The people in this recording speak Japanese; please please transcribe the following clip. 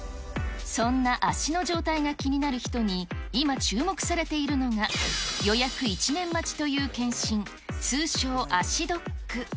そんな足の状態が気になる人に、今、注目されているのが、予約１年待ちという検診、通称足ドック。